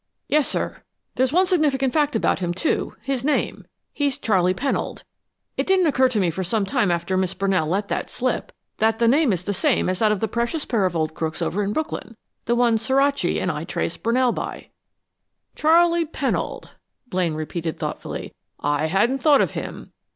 "Yes, sir. There's one significant fact about him, too his name. He's Charley Pennold. It didn't occur to me for some time after Miss Brunell let that slip, that the name is the same as that of the precious pair of old crooks over in Brooklyn, the ones Suraci and I traced Brunell by." "Charley Pennold!" Blaine repeated thoughtfully. "I hadn't thought of him.